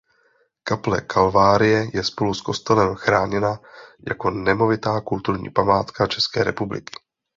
Kaple Kalvárie je spolu s kostelem chráněna jako nemovitá Kulturní památka České republiky.